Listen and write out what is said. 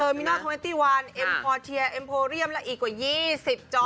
เทอร์มินอร์๒๑เอ็มพอร์เทียเอ็มโพเรียมและอีกกว่า๒๐จอน